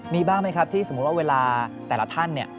มีบ้างไหมครับที่สมมุติว่าเวลาแต่ละท่านเนี่ย